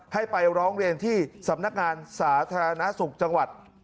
ให้ไปร้องเรียนที่สำนักงานสาธารณสุขจังหวัด